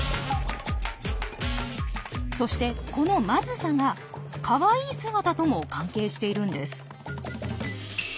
そしてこのまずさがかわいい姿とも関係しているんです。